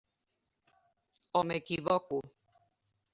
O m'equivoco?